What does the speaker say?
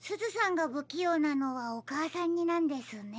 がぶきようなのはおかあさんになんですね。